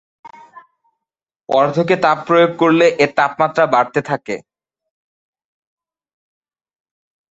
পদার্থকে তাপ প্রয়োগ করলে এর তাপমাত্রা বাড়তে থাকে।